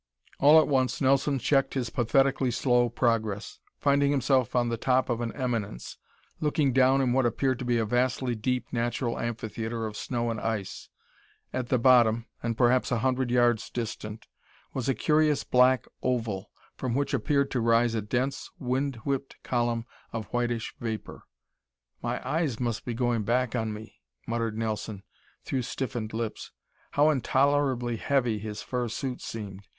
All at once Nelson checked his pathetically slow progress, finding himself on the top of an eminence, looking down in what appeared to be a vastly deep natural amphitheater of snow and ice. At the bottom, and perhaps a hundred yards distant, was a curious black oval from which appeared to rise a dense, wind whipped column of whitish vapor. "My eyes must be going back on me," muttered Nelson through stiffened lips. How intolerably heavy his fur suit seemed!